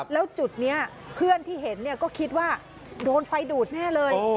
แล้วจุดนี้เพื่อนที่เห็นก็คิดว่าโดนไฟดูดแน่เลย